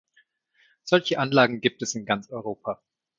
Solche Anlagen gibt es in ganz Europa.